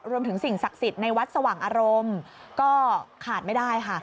สิ่งศักดิ์สิทธิ์ในวัดสว่างอารมณ์ก็ขาดไม่ได้ค่ะ